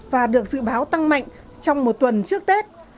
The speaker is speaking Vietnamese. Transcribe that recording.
và được dự báo tăng mạnh trong một tuần trước tết